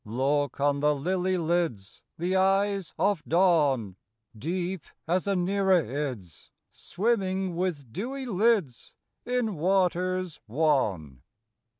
Look on the lily lids, The eyes of dawn, Deep as a Nereid's, Swimming with dewy lids In waters wan.